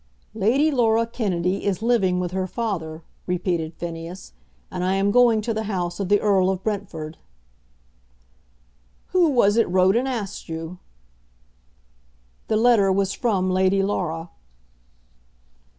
"Lady Laura Kennedy is living with her father," repeated Phineas; "and I am going to the house of the Earl of Brentford." "Who was it wrote and asked you?" "The letter was from Lady Laura."